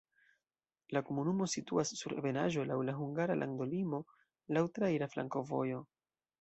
La komunumo situas sur ebenaĵo, laŭ la hungara landolimo, laŭ traira flankovojo.